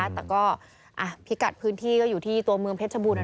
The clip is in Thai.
อ้าพริกัดการพื้นที่อยู่ที่เมืองเภกชะบูนอ่ะ